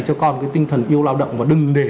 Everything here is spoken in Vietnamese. cho con cái tinh thần yêu lao động và đừng để